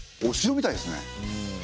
お城みたいですね。